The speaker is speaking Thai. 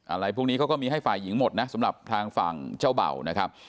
อะไรพวกนี้เขาก็มีให้ฝ่ายหญิงหมดนะสำหรับทางฝั่งเจ้าเบานะครับ